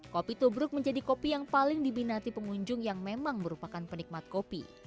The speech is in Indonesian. kopi tubruk menjadi kopi yang paling diminati pengunjung yang memang merupakan penikmat kopi